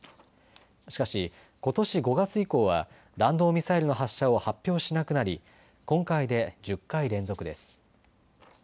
しかし、ことし５月以降は弾道ミサイルの発射を発表しなくなり今回で１０回連続です。